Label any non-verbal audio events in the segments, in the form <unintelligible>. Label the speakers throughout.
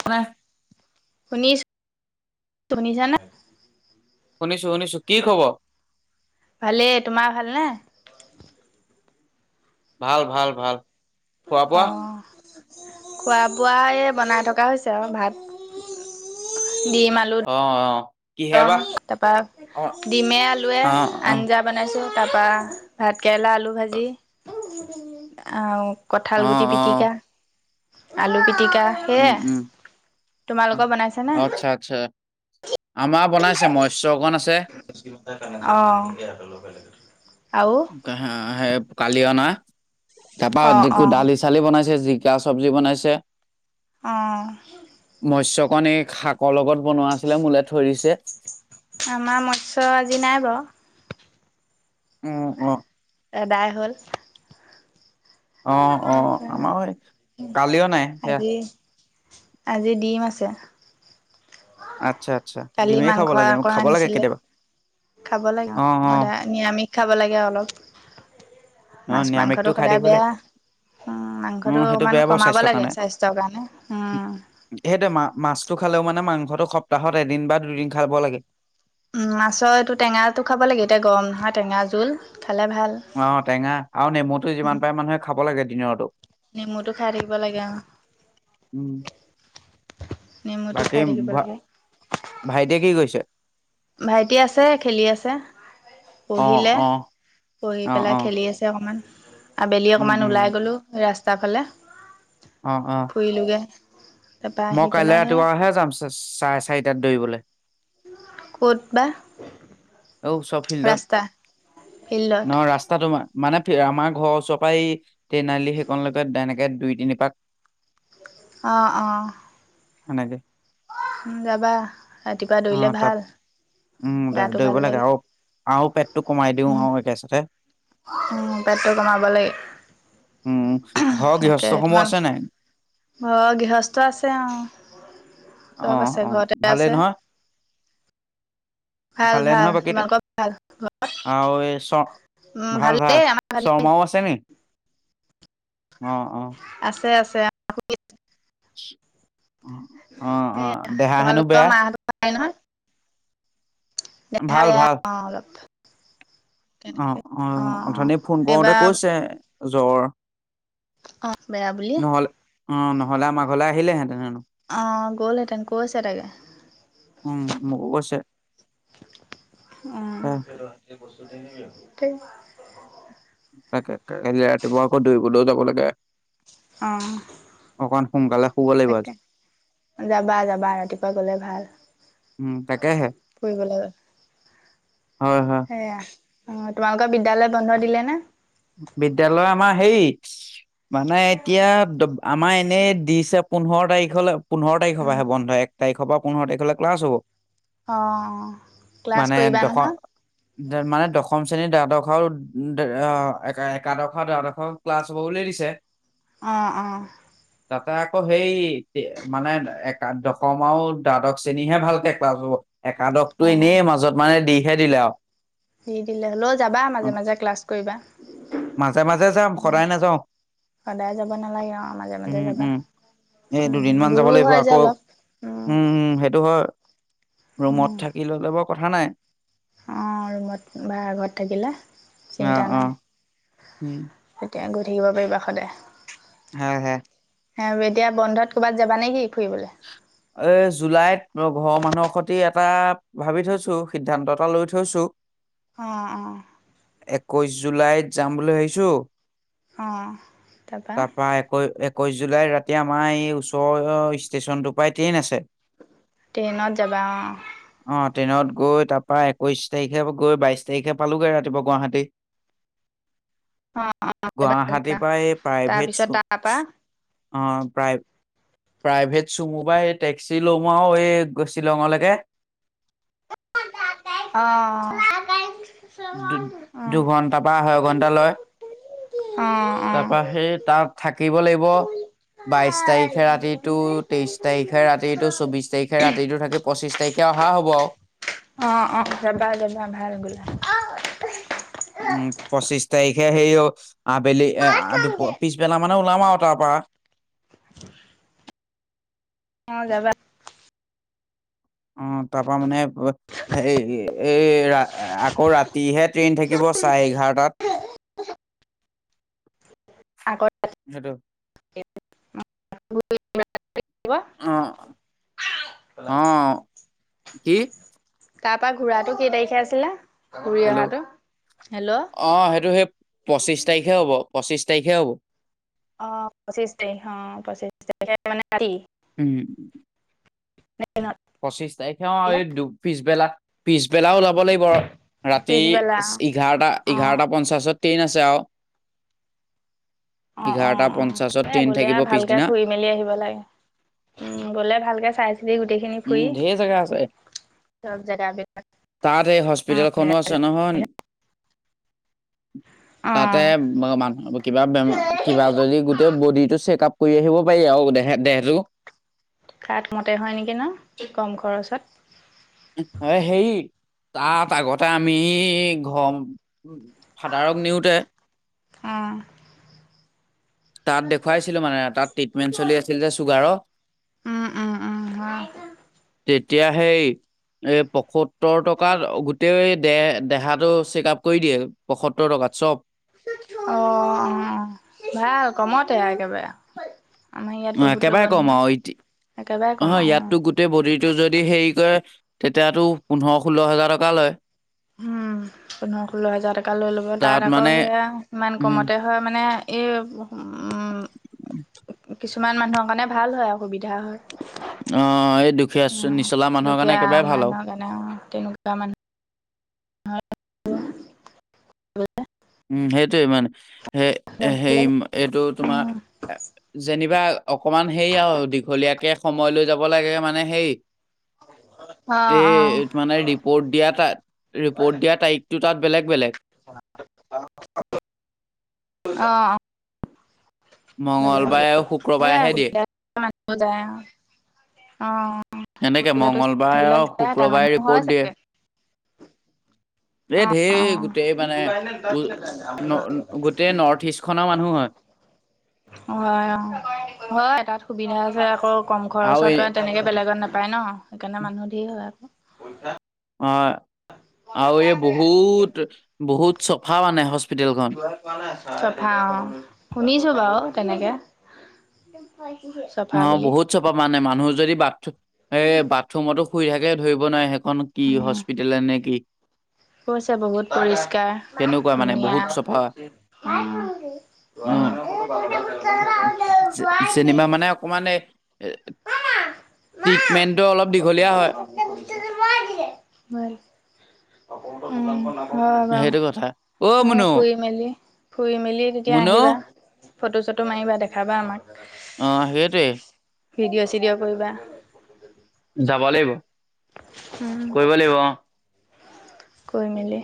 Speaker 1: <unintelligible>
Speaker 2: শুনিছোঁ, শুনিছা নে?
Speaker 1: শুনিছো, শুনিছো। কি খবৰ?
Speaker 2: ভালেই, তোমাৰ ভাল নে?
Speaker 1: ভাল, ভাল, ভাল। খোৱা বোৱা
Speaker 2: অ'। খোৱা বোৱা বনাই থকা হৈছে আৰু, ভাত দিম আলু
Speaker 1: অ অ। কিহে
Speaker 2: ম
Speaker 1: বা
Speaker 2: তাপা
Speaker 1: অ
Speaker 2: ডিমে আলুৱে
Speaker 1: অ অ
Speaker 2: আঞ্জা। বনাইছোঁ তাপা ভাত কেৰেলা, আলু ভাজি আৰু কঁঠাল
Speaker 1: অ
Speaker 2: গুটি
Speaker 1: অ
Speaker 2: পিটিকা, আলু পিটিকা।
Speaker 1: উম,
Speaker 2: সেয়াই
Speaker 1: উম,
Speaker 2: তোমালোকৰ বনাইছানে
Speaker 1: আছ আচ্ছা আমাৰ বনাইছে মৎস্য অকণ আছে।
Speaker 2: অ আৰু
Speaker 1: সেই কালি অনা তাপা
Speaker 2: অ অ
Speaker 1: ডালি কালি বনাইছে, জিকা চব্জি বনাইছে।
Speaker 2: অঁ
Speaker 1: মৎস্যকণ এই শাকৰ লগত বনোৱা আছিলে মোলে থৈ দিছে।
Speaker 2: আমাৰ মৎস্য আজি নাই বাও।
Speaker 1: উম অ।
Speaker 2: এদাই হ'ল।
Speaker 1: অ অ আমাৰ কালি অনাই সেয়া।
Speaker 2: আজি আজি দিম আছে।
Speaker 1: আচ্ছা আচ্ছা
Speaker 2: কালি
Speaker 1: ডিমেই খাব
Speaker 2: মাংস
Speaker 1: লাগে
Speaker 2: আক
Speaker 1: খাব লাগে
Speaker 2: আনিছিলে
Speaker 1: কেতিয়াবা
Speaker 2: খাব লাগে,
Speaker 1: অ অ
Speaker 2: সদায়। নিৰামিষ খাব লাগে অলপ,
Speaker 1: অ
Speaker 2: মাছ
Speaker 1: নিৰামিষটো
Speaker 2: মাংসটো
Speaker 1: খাই
Speaker 2: সদায়
Speaker 1: থাকিব লাগে
Speaker 2: বেয়া। উম, মাংসটো
Speaker 1: অ', সেইটো
Speaker 2: অকমান
Speaker 1: বেয়া বাৰু
Speaker 2: কমাব
Speaker 1: স্বাস্থ্যৰ
Speaker 2: লাগে
Speaker 1: কাৰণে
Speaker 2: স্বাস্থ্যৰ কাৰণে, উম।
Speaker 1: সেইটোৱে মা মাছটো খালেও মানে মাংসটো সপ্তাহত এদিন বা দুদিন খাব লাগে।
Speaker 2: উম মাছৰ এইটো টেঙাটো খাব লাগে, এতিয়া গৰম নহয় টেঙা জোল খালে ভাল।
Speaker 1: অ টেঙা আৰু নেমুটো
Speaker 2: উম
Speaker 1: যিমান পাৰে মানুহে খাব লাগে দিনতো।
Speaker 2: নেমুটো খাই থাকিব লাগে অ।
Speaker 1: উম
Speaker 2: নেমুটো
Speaker 1: বাকী
Speaker 2: খাই থাকিব
Speaker 1: ভ
Speaker 2: লাগে
Speaker 1: ভাইটিয়ে কি কৰিছে?
Speaker 2: ভাইটি আছে খেলি আছে।
Speaker 1: অ',
Speaker 2: পঢ়িলে
Speaker 1: অ',
Speaker 2: পঢ়ি
Speaker 1: অ',
Speaker 2: পেলাই
Speaker 1: অ',
Speaker 2: খেলি আছে অকণমান, আবেলি
Speaker 1: উম,
Speaker 2: অকণমান
Speaker 1: উম,
Speaker 2: ওলাই গ'লোঁ। ৰাস্তা ফালে।
Speaker 1: অ অ।
Speaker 2: কৰিলোগে।
Speaker 1: মই কাইলে ৰাতিপুৱাহে যাম। চাৰে চাৰিটাত দৌৰিবলে।
Speaker 2: ক'ত বা?
Speaker 1: ঔ ওচৰৰ ফিল্ডত,
Speaker 2: ৰাস্তা ফিল্ডত
Speaker 1: নহ ৰাস্তা তোমাৰ। মানে আমাৰ ঘৰৰ ওচৰ পা এই ট্ৰেন আলি সেইকন লৈকে তেনেকে দুই তিনি পাক
Speaker 2: অ অ।
Speaker 1: হয় নে।
Speaker 2: উম যাবা, ৰাতিপুৱা
Speaker 1: অ',
Speaker 2: দৌৰিলে
Speaker 1: তাত
Speaker 2: ভাল।
Speaker 1: উম দে
Speaker 2: গাটো ভাল
Speaker 1: দৌৰিব লাগে আৰু আৰু পেটটো কমাই দিও
Speaker 2: উম,
Speaker 1: আৰু একেচাতে।
Speaker 2: উম পেটটো কমাব লাগে।
Speaker 1: উম, ঘৰৰ
Speaker 2: তাকে
Speaker 1: গৃহস্থসমূহ
Speaker 2: তোমাৰ
Speaker 1: আছে নাই?
Speaker 2: ঘৰৰ গৃহস্থ আছে আও। চব
Speaker 1: অ',
Speaker 2: আছে
Speaker 1: অ',
Speaker 2: ঘৰতে
Speaker 1: ভালে
Speaker 2: আছে।
Speaker 1: নহয়?
Speaker 2: ভাল
Speaker 1: ভালে
Speaker 2: ভাল
Speaker 1: নহয় বাকী,
Speaker 2: তোমালোকৰ ভাল
Speaker 1: আৰু এ চ
Speaker 2: উম
Speaker 1: ভাল ভাল
Speaker 2: ভালেই আমাৰ ভালে
Speaker 1: শৰ্মাও আছে নি, অ, অ।
Speaker 2: আছে, আছে।
Speaker 1: অ', অ'
Speaker 2: সেয়া
Speaker 1: দেহা হেনো
Speaker 2: তোমালোকৰ
Speaker 1: বেয়া।
Speaker 2: <inaudible> নহয়। দেহা
Speaker 1: ভাল
Speaker 2: বেয়া
Speaker 1: ভাল।
Speaker 2: অহ' অলপ। তেনেকে
Speaker 1: অ', অ'
Speaker 2: অঁ
Speaker 1: অথনি ফোন কৰোতে
Speaker 2: এইবাৰ
Speaker 1: কৈছে জ্বৰ।
Speaker 2: অ' বেয়া বুলি
Speaker 1: নহ'লে অ' নহ'লে আমাৰ ঘৰলে আহিলে হেতেনেহেনো।
Speaker 2: অ' গ'লহেঁতেন কৈছে তাকে।
Speaker 1: উম, মোকো কৈছে এ
Speaker 2: উম।
Speaker 1: তাকে তাকে কাইলে ৰাতিপুৱা আকৌ দৌৰিবলৈও যাব লাগে।
Speaker 2: অঁহ।
Speaker 1: অকণমান সোনকালে শুব লাগিব আজি।
Speaker 2: যাবা, যাবা ৰাতিপুৱা গ'লে ভাল
Speaker 1: উম, তাকেহে
Speaker 2: ফুৰিবলৈ
Speaker 1: হয়, হয়।
Speaker 2: এয়া অ' তোমালোকৰ বিদ্যালয় বন্ধ দিলে নে?
Speaker 1: বিদ্যালয় আমাৰ হেৰি মানে এতিয়া আমাৰ এনেই দিছে, পোন্ধৰ তাৰিখৰ লৈ পোন্ধৰ তাৰিখ পৰাহে বন্ধ এক তাৰিখ পৰা পোন্ধৰ তাৰিখৰলৈ ক্লাছ হ'ব।
Speaker 2: অ', অ', অ'। ক্লাছ
Speaker 1: মানে
Speaker 2: কৰিবা
Speaker 1: দশম
Speaker 2: নহয়।
Speaker 1: মানে দশম শ্ৰেণীৰ, দ্বাদশ আৰু একা-একাদশৰ দ্বাদশৰ ক্লাছ হ'ব বুলি দিছে।
Speaker 2: অ', অহ'।
Speaker 1: তাতে আকৌ হেৰি মানে এ, দশম আৰু দ্বাদশ শ্ৰেণীহে ভালকে ক্লাছ হ'ব।
Speaker 2: অ
Speaker 1: একাদশটো এনেই মাজত মানে দিহে দিলে আৰু।
Speaker 2: দি দিলে হ'লেও যাবা মাজে
Speaker 1: উম,
Speaker 2: মাজে ক্লাছ কৰিবা।
Speaker 1: মাজে, মাজে যাম
Speaker 2: উম
Speaker 1: সদায়ে নাযাওঁ।
Speaker 2: সদায় যাব নালাগে অ' মাজে মাজে
Speaker 1: উম
Speaker 2: যাবা।
Speaker 1: উম এই
Speaker 2: উম
Speaker 1: দুদিনমান যাব
Speaker 2: দূৰো
Speaker 1: লাগিব
Speaker 2: হয় যে
Speaker 1: আকৌ,
Speaker 2: অলপ
Speaker 1: উম উম সেইটো হয়। ৰুমত থাকি ল'লে বাৰু কথা নাই।
Speaker 2: অ' ৰুমত বা ঘৰত থাকিলে
Speaker 1: অ',
Speaker 2: চিন্তা নাই।
Speaker 1: অ', উম।
Speaker 2: তেতিয়া গৈ থাকিব পাৰিবা সদায়।
Speaker 1: ভালহে।
Speaker 2: আৰু এতিয়া বন্ধত ক'ৰবাত যাবা নেকি ফুৰিবলৈ।
Speaker 1: এ জুলাইত ঘৰৰ মানুহৰ সৈতে এটা ভাবি থৈছো, সিদ্ধান্ত এটা লৈ থৈছো।
Speaker 2: অ', অ'।
Speaker 1: একৈছ জুলাইত যাম বুলি ভাবিছো,
Speaker 2: অঁ
Speaker 1: তাৰপৰা একৈ-এক একৈছ জুলাইত ৰাতি আমাৰ এই ওচৰৰ ষ্টেচনটোৰ পৰাই ট্ৰেইন আছে।
Speaker 2: ট্ৰেইনত যাবা অ'।
Speaker 1: অ' ট্ৰেইনত গৈ তাৰ পৰা একৈশ তাৰিখে গৈ, বাইশ তাৰিখে পালোগৈ ৰাতিপুৱা গুৱাহাটী।
Speaker 2: <unintelligible> অ', অ', যাবা
Speaker 1: গুৱাহাটীৰ পৰাই এই প্ৰাইভেট
Speaker 2: তাৰপিছত তাৰপা
Speaker 1: চব-ছ অহ, প্ৰায় প্ৰাইভেট চুমো বা এই টেক্সি ল'ম আৰু এই শ্বিলঙলৈকে
Speaker 2: অহ'।
Speaker 1: দু-দুঘন্টাৰ বা আহৈ ঘন্টা লয়, তাৰ পৰা সেই তাত থাকিব লাগিব বাইশ তাৰিখে ৰাতিতো তেইশ তাৰিখে ৰাতিটো চৌবিশ তাৰিখে ৰাতিটো থাকি পঁচিছ তাৰিকে অহা হ'ব আউ
Speaker 2: অ অ যাবা যাবা ভাল গলে
Speaker 1: উম পঁচিশ তাৰিখে সেই অ আবেলি এ দুপ পিছবেলা মানে ওলাম আউ তা পা
Speaker 2: <unintelligible> অ যাবা
Speaker 1: অ তা পা মানে হে এই ৰা আকৌ ৰাতিহে ট্ৰেইন থাকিব চাৰে এঘাৰটাত
Speaker 2: আগত
Speaker 1: সেটো অ অ কি
Speaker 2: তা পা ঘুৰাটো কেই তাৰিখে আছিলে ঘূৰি
Speaker 1: হেল্ল'
Speaker 2: অহাটো? হেল্ল'
Speaker 1: অ সেইটো সেই পঁচিশ তাৰিখে হ'ব পঁচিশ তাৰিখে হ'ব
Speaker 2: অ পচিশ তাৰিখ অ পচিছ তাৰিখে মানে ৰাতি
Speaker 1: উম
Speaker 2: নে নত
Speaker 1: পঁচিছ তাৰিখে আৰু এই দুপ পিছবেলা পিছবেলা ওলাব লাগিব ৰাতি
Speaker 2: পিছবেলা অ'।
Speaker 1: এঘাৰটা
Speaker 2: অ',
Speaker 1: এঘাৰটা পঞ্চাছত ট্ৰেইন আছে আউ
Speaker 2: অ',
Speaker 1: এঘাৰটা
Speaker 2: অ', অ'।
Speaker 1: পঞ্চাছত
Speaker 2: এ
Speaker 1: ট্ৰেইন
Speaker 2: গ'লে আৰু
Speaker 1: থাকিব
Speaker 2: ভালকে
Speaker 1: পিছদিনা
Speaker 2: ফুৰি মেলি আহিব লাগে উম গলে ভালকে চাই গোটেই খিনি
Speaker 1: উম
Speaker 2: ফুৰি
Speaker 1: ঢেৰ জেগা আছে
Speaker 2: চব জাগাবিলাক
Speaker 1: তাত এই হস্পিতেলখনো আছে নহয় তাতে
Speaker 2: অ'।
Speaker 1: মানুহ কিবা বেমাৰ কিবা যদি গোটেই বডি টো চেক আপ কৰি আহিব পাৰি আৰু দেহে দেহটো
Speaker 2: কাত মতে হয় নেকি ন কম খৰচত
Speaker 1: এ হে তাত আগতে আমি ঘং উম ফাদাৰক নিওতে
Speaker 2: অহ
Speaker 1: তাত দেখুৱাইছিলো মানে তাত ট্ৰিটমেণ্ট চলি আছিল যে চুগাৰৰ
Speaker 2: উম, উম, উম, হয়।
Speaker 1: তেতিয়া হেই এই পশত সত্তৰ টকাত গোটেই দে দেহাটো চেকআপ কৰি দিয়ে পসত্তৰ টকাত চব
Speaker 2: অ ভাল কমতে আ একেবাৰে আ আমাৰ ইয়াত
Speaker 1: অ,
Speaker 2: বহুত ল'ব
Speaker 1: একেবাৰে কম আৰু ইতি
Speaker 2: নহয় একেবাৰে
Speaker 1: অহ
Speaker 2: কম অ
Speaker 1: ইয়াততো গোটেই বডি টো যদি হেৰি কৰে তেতিয়াতো পোন্ধৰ ষোল্ল হাজাৰ টকা লয়
Speaker 2: উম পোন্ধৰ ষোল্ল হাজাৰ টকা লৈ ল'ব তাত আকৌ সেয়া ইমান
Speaker 1: উম
Speaker 2: কমতে হয় মানে এই উম কিছুমান মানুহৰ কাৰণে ভাল হয় আও অসুবিধা হয়
Speaker 1: অ এই দুখীয়া
Speaker 2: উম
Speaker 1: নিচলা মানুহৰ কাৰণে
Speaker 2: দুখীয়া
Speaker 1: একেবাৰে ভাল আউ
Speaker 2: মানুহৰ অ তেঅকা মানুহ <unintelligible>
Speaker 1: উম সেইটোৱে মানে সেই
Speaker 2: যাব
Speaker 1: সেই
Speaker 2: লাগে
Speaker 1: এইটো তোমাৰ
Speaker 2: উম
Speaker 1: যেনিবা অকমান হেই আও দীঘলীয়াকে সময় লৈ যাব লাগে মানে হেই
Speaker 2: অ অ
Speaker 1: এই ত মানে ৰিপৰ্ট দিয়া তাত ৰিপৰ্ট দিয়া তাৰিখটোত তাত বেলেগ বেলেগ
Speaker 2: অ
Speaker 1: মঙ্গলবাৰে আৰু শুক্ৰবাৰেহে দিয়ে।
Speaker 2: মাতব যায় আৰু।
Speaker 1: এনেকে মঙ্গলবাৰে আৰু
Speaker 2: তাত
Speaker 1: শুক্ৰবাৰে
Speaker 2: মানুহ হয়
Speaker 1: ৰিপ'ৰ্ট দিয়ে।
Speaker 2: চাগে
Speaker 1: এ
Speaker 2: অ
Speaker 1: ঢেৰ
Speaker 2: অ
Speaker 1: গোটেই মানে উ ন তেই নৰ্থ ইষ্টখনৰ মানুহ হয়।
Speaker 2: হয়, অ' হয় তাত সুবিধা আছে আকৌ। কম
Speaker 1: আৰু
Speaker 2: খৰচত
Speaker 1: এই
Speaker 2: হয় তেনেকৈ বেলেগত নাপায় ন, সেইকাৰণে মানুহ ধেৰ হয় আকৌ।
Speaker 1: অ' আৰু এই বহুত বহুত চফা মানে হস্পিিতেলখন।
Speaker 2: চফা অ', শুনিছো বাৰু তেনেকে। চফা
Speaker 1: অ'
Speaker 2: বুলি।
Speaker 1: বহুত চফা মানে মানুহ যদি বাথম এ বাথৰুমতো শুই থাকে ধৰিব নোৱাৰে সেইখন কি
Speaker 2: উম,
Speaker 1: হস্পি দিলে নেকি?
Speaker 2: কৈছে বহুত
Speaker 1: তেনেকুৱা
Speaker 2: পৰিষ্কাৰ
Speaker 1: মানে বহুত চফা
Speaker 2: ধুনীয়া।
Speaker 1: অ'
Speaker 2: <unintelligible>
Speaker 1: অকমানে ট্ৰিটমেণ্টটো অলপ দীঘলীয়া হয়।
Speaker 2: <unintelligible> অ' ব ফুৰি
Speaker 1: সেইটো
Speaker 2: মেলি
Speaker 1: কথা অ
Speaker 2: ফুৰি
Speaker 1: মুনু
Speaker 2: মেলি তেতিয়া
Speaker 1: মুনু
Speaker 2: আহিবা। ফটো চটো মাৰিবা দেখাবা আমাক?
Speaker 1: অ' সেইটোৱে।
Speaker 2: ভিডিঅ' চিডিঅ' কৰিবা।
Speaker 1: যাব লাগিব
Speaker 2: উম।
Speaker 1: কৰিব লাগিব অ'।
Speaker 2: কৈ মেলি।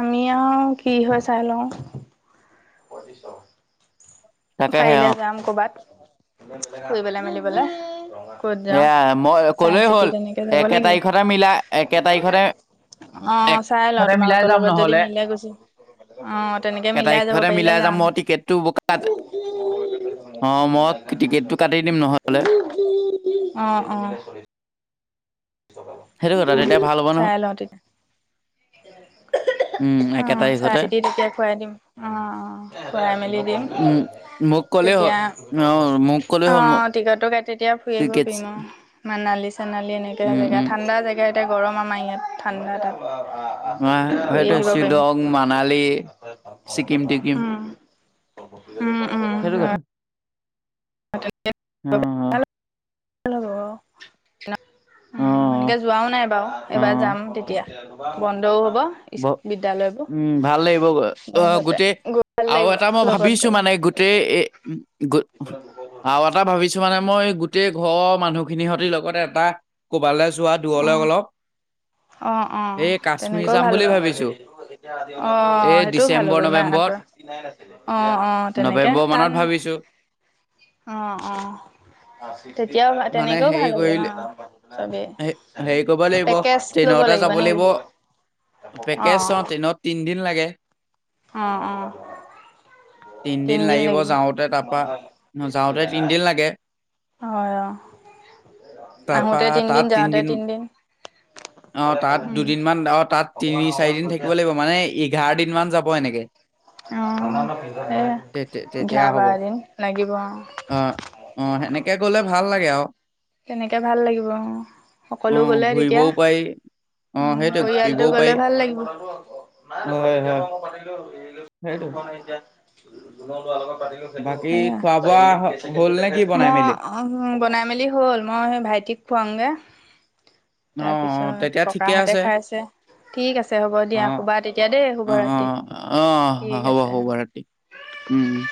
Speaker 2: আমি আৰু কি হয় চাই লওঁ। প পিছত।
Speaker 1: তাকেহে
Speaker 2: পাৰিলে
Speaker 1: অ
Speaker 2: যাম ক'ৰবাত ফুৰিবলৈ মেলিবলৈ। ক'ত
Speaker 1: এয়া মই
Speaker 2: যাওঁ চাই
Speaker 1: কলেই হ'ল
Speaker 2: চিতি তেনেকে যাব
Speaker 1: একে
Speaker 2: লাগিব।
Speaker 1: তাৰিখতে মিলাই একে তাৰিখতে এক
Speaker 2: অ' চাই লওঁ তোমালোকৰ লগত যদি মিলে গুছি
Speaker 1: কে তাৰিখতে মিলাই যাম, মই টিকেটটো বু ত, অঁ মই টিকেটটো কাটি দিম নহ'লে।
Speaker 2: অ' অ'।
Speaker 1: সেইটো
Speaker 2: উ
Speaker 1: কথা তেতিয়া ভাল হ'ব নহয়
Speaker 2: চাই লওঁ তেতিয়া।
Speaker 1: উম একে
Speaker 2: অ' চাই
Speaker 1: তাৰিখতে
Speaker 2: চিতি তেতিয়া খুৱাই দিম, অ' খুৱাই মেলি দিম।
Speaker 1: উম মোক ক'লেই হ'ল
Speaker 2: তেতিয়া,
Speaker 1: অ মোক ক'লেই হ'ল মোক
Speaker 2: অ' টিকট টো কাটি তেতিয়া ফুৰি আহিব
Speaker 1: টিকেট
Speaker 2: পাৰিম অ'। মানালী চেনালী এনেকৈ
Speaker 1: উম
Speaker 2: জেগা,
Speaker 1: উম
Speaker 2: ঠাণ্ডা জেগা এটা গৰম আমাৰ ইয়াত, ঠাণ্ডা তাত।
Speaker 1: অ
Speaker 2: ফুৰি
Speaker 1: সেইটো
Speaker 2: আহিব পাৰিম
Speaker 1: শ্বিলং মানালী ছিকিম টিকিম।
Speaker 2: উম, উম, উম,
Speaker 1: সেইটো কথা। অ
Speaker 2: <unintelligible>
Speaker 1: অ অ
Speaker 2: উম, সেনেকে যোৱাও নাই বাৰু,
Speaker 1: অ
Speaker 2: এইবাৰ যাম তেতিয়া বন্ধও হ'ব বিদ্যালয়বোৰ
Speaker 1: উম, ভাল লাগিব অ'
Speaker 2: বন্ধতে
Speaker 1: গোটেই
Speaker 2: গৈ ভাল
Speaker 1: আৰু
Speaker 2: লাগিব
Speaker 1: এটা মই
Speaker 2: লগত
Speaker 1: ভাবিছো
Speaker 2: গ'লে।
Speaker 1: মানে গো গোটেই এ উ আৰু এটা ভাবিছো কিছুমানে মই গোটেই ঘৰৰ মানুহখিনি সতি লগতে এটা কৰবালৈ যোৱা দূৰলৈ
Speaker 2: অ',
Speaker 1: অলপ
Speaker 2: অ' অ'
Speaker 1: এই কাশ্মীৰ
Speaker 2: তেনেকুৱা অ'
Speaker 1: যাম বুলি ভাবিছো এই
Speaker 2: সেইটোও ভাল
Speaker 1: ডিচেম্বৰ
Speaker 2: হ'ব
Speaker 1: নৱেম্বৰত
Speaker 2: ইমাহঁতৰ। অ' অ' তেনেকে
Speaker 1: নৱেম্বৰ
Speaker 2: তান
Speaker 1: মানত ভাবিছো
Speaker 2: অ' অ'। তেতিয়াও
Speaker 1: মানে
Speaker 2: তেনেকেও
Speaker 1: হেৰি
Speaker 2: ভাল হ'ব
Speaker 1: কৰিলে
Speaker 2: নহ চবেই,
Speaker 1: হে- হেৰি কৰিব লাগিব
Speaker 2: পেকেজ ল'ব লাগিবা নেকি? অ',
Speaker 1: পেকেচত এনেও তিনিদিন লাগে।
Speaker 2: অ অ।
Speaker 1: তিনদিন লাগিব যাওঁতে তাৰপা, যাওঁতে তিনদিন লাগে।
Speaker 2: হয় অ,
Speaker 1: তাৰপা
Speaker 2: আহোতে তিনদিন
Speaker 1: তাত
Speaker 2: যাওঁতে তিনদিন।
Speaker 1: অ তাত দুদিনমান, অ তাত তিনি চাৰিদিন থাকিব লাগিব মানে এঘাৰ দিন মান যাব এনেকে।
Speaker 2: অ এই
Speaker 1: তে তে- তেতিয়া
Speaker 2: এঘাৰ
Speaker 1: হ'ব
Speaker 2: বাৰদিন লাগিব অ।
Speaker 1: অ অ সেনেকে গ'লে ভাল লাগে আৰু।
Speaker 2: তেনেকৈ ভাল লাগিব অ। সকলো গ'লে তেতিয়া
Speaker 1: উপায়
Speaker 2: উম পৰিয়ালটো গ'লে ভাল লাগিব। <unintelligible>
Speaker 1: হয় হয় সেইটো
Speaker 2: <unintelligible> তোমাৰ ল'ৰাৰ লগত পাতিলো
Speaker 1: বাকী
Speaker 2: সেইটো
Speaker 1: খোৱা
Speaker 2: চাৰি
Speaker 1: বোৱা হ- হ'ল
Speaker 2: মিনিছেকেণ্ড
Speaker 1: নে কি
Speaker 2: দেখাইছে। <unintelligible>
Speaker 1: বনাই মেলি
Speaker 2: অ বনাই মেলি হ'ল, মই সেই ভাইটিক খুৱামগে।
Speaker 1: অ
Speaker 2: তাৰ
Speaker 1: অ তেতিয়া
Speaker 2: পিছত
Speaker 1: ঠিকে
Speaker 2: ককাহঁতে
Speaker 1: আছে
Speaker 2: খাইছে। ঠিক আছে হ'ব
Speaker 1: অ
Speaker 2: দিয়া শুবা তেতিয়া দেই
Speaker 1: অ
Speaker 2: শুভ ৰাত্ৰি।
Speaker 1: অ হ'ব হ'ব বাৰু ৰাতি উম উম।